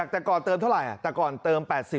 แต่ก่อนเติมเท่าไหร่แต่ก่อนเติม๘๐